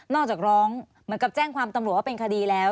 จากร้องเหมือนกับแจ้งความตำรวจว่าเป็นคดีแล้ว